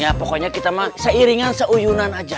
ya pokoknya kita mah seiringan seuyunan aja